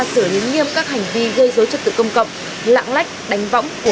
xử lý nghiêm các hành vi gây dối trật tự công cộng lãng lách đánh võng